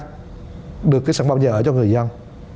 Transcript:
tạo ra được cái sản phẩm nhà ở cho người dân